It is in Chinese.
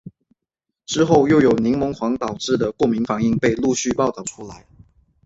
之后又有柠檬黄导致的过敏反应被陆续报道出来。